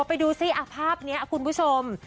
ไปดูสิอ่ะภาพเนี้ยคุณผู้ชม